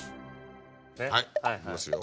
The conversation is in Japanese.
はい開けますよ。